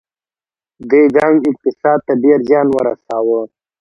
دې جنګ اقتصاد ته ډیر زیان ورساوه.